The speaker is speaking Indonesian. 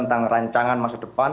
tentang rancangan masa depan